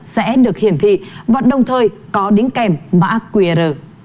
sẽ được hiển thị và đồng thời có đính kèm mã qr